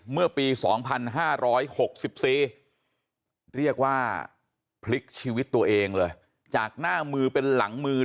เมื่อปี๒๕๖๔เรียกว่าพลิกชีวิตตัวเองเลยจากหน้ามือเป็นหลังมือ